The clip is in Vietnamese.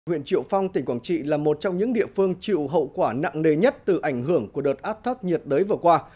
huyện triệu phong tỉnh quảng trị là một trong những địa phương chịu hậu quả nặng nề nhất từ ảnh hưởng của đợt áp thấp nhiệt đới vừa qua